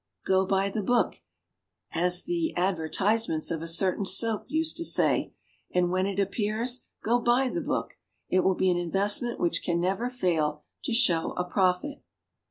"Go by the book", as the ad vertisements of a certain soap used to say. And when it appears, go buy the book. It will be an investment which can never fail to show a profit.